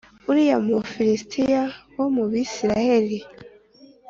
uriya mu filisitiya wo mubi Isirayeli